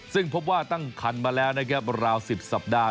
ซึ่งพบว่าตั้งคันมาแล้วนะครับราว๑๐สัปดาห